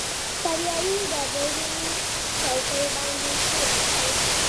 پر یوې ډبرینې چوکۍ باندې کښېناستو.